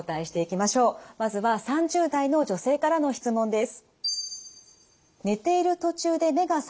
まずは３０代の女性からの質問です。